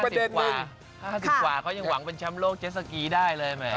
ก็รุ่นพี่ผม๕๐กว่า๕๐กว่าเขายังหวังเป็นชำโลกเจสสกีได้เลยไหม